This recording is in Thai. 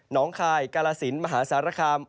หนองคายกาลสินมหาศาลคาม